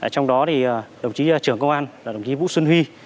trong đó đồng chí trưởng công an đồng chí vũ xuân huy